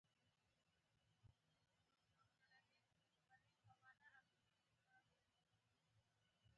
ساهو به خپله راپسې راغی.